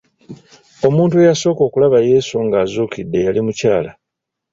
Omuntu eyasooka okulaba Yesu nga azuukidde yali mukyala.